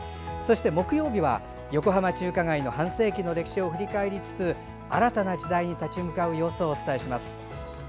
そして木曜日は、横浜中華街の半世紀の歴史を振り返りつつ新たな時代に立ち向かう様子をお伝えします。